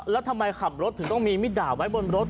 แล้วทำไมขับรถถึงต้องมีมิดดาบไว้บนรถ